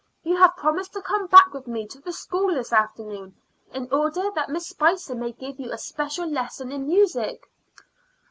You have promised to come back with me to the school this afternoon, in order that Miss Spicer may give you a special lesson in music."